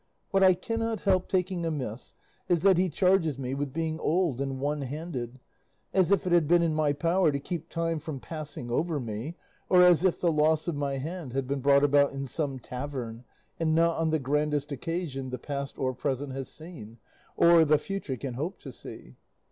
What I cannot help taking amiss is that he charges me with being old and one handed, as if it had been in my power to keep time from passing over me, or as if the loss of my hand had been brought about in some tavern, and not on the grandest occasion the past or present has seen, or the future can hope to see.